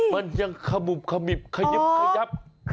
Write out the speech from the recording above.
มันยังขมุบขยับ